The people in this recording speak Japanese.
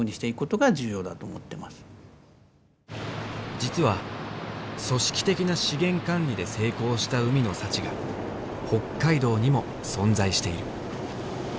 実は組織的な資源管理で成功した海の幸が北海道にも存在している。